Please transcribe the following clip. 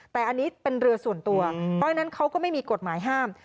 แต่อันนี้เป็นเรือส่วนตัวเพราะฉะนั้นเขาก็ไม่มีกฎหมายห้าม